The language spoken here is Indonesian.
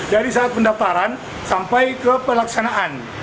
dari saat pendaftaran sampai ke pelaksanaan